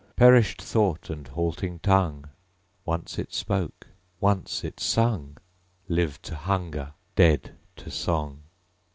Perisht thought, and halting tongue (Once it spoke; once it sung!) Live to hunger, dead to song.